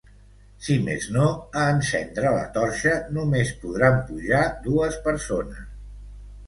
Si més no, a encendre la torxa, només podran pujar dues persones.